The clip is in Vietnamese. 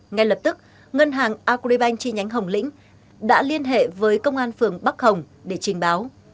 ngay lập tức ngân hàng agribank chi nhánh hồng lĩnh đã liên hệ với công an phường bắc hồng để trình báo